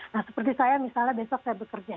nah seperti saya misalnya besok saya bekerja